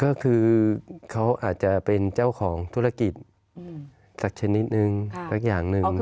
ก็คือเขาอาจจะเป็นเจ้าของธุรกิจสักชนิดนึงสักอย่างหนึ่ง